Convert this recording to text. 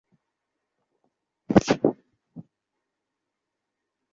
পাপকাজ করতে না পারার কারণে দুঃখিত হওয়া, পাপকাজে লিপ্ত হওয়ার চেয়ে অধিক ভয়াবহ।